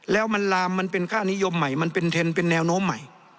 แล้วมันลามมันเป็นค่านิยมใหม่มันเป็นเทรนด์เป็นแนวโน้มใหม่